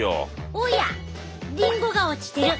おやリンゴが落ちてる！